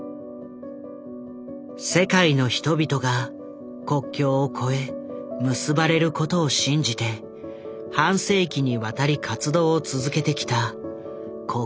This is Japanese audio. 世界の人々が国境を越え結ばれることを信じて半世紀にわたり活動を続けてきた国境なき医師団。